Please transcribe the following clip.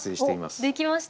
あできました。